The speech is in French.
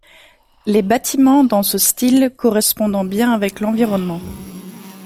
Les bâtiments dans ce style correspondant bien avec l'environnement.